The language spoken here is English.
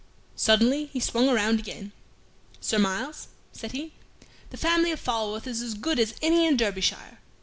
Suddenly he swung around again. "Sir Myles," said he, "the family of Falworth is as good as any in Derbyshire.